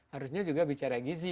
harusnya juga bicara gizi